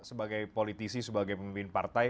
sebagai politisi sebagai pemimpin partai